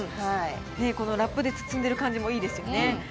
このラップで包んでる感じもいいですよね。